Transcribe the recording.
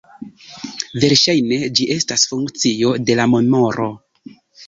Verŝajne ĝi estas funkcio de la memoro.